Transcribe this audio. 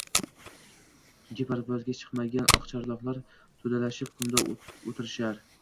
Tungi parvozga chiqmagan oqcharloqlar to‘dalashib qumda o‘tirishar